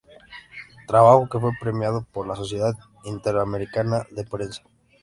Trabajo que fue premiado por la Sociedad Interamericana de Prensa.